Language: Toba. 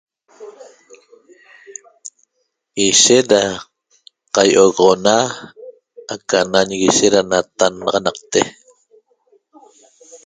Ishet da qai'ogoxona aca nanguishe da natannaxanaqte